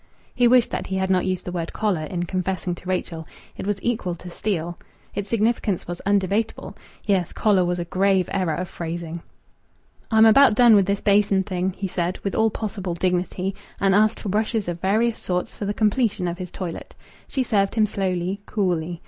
He wished that he had not used the word "collar" in confessing to Rachel. It was equal to "steal." Its significance was undebatable. Yes, "collar" was a grave error of phrasing. "I'm about done with this basin thing," he said, with all possible dignity, and asked for brushes of various sorts for the completion of his toilet. She served him slowly, coolly.